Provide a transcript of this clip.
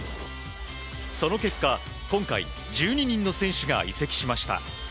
その結果、今回、１２人の選手が移籍しました。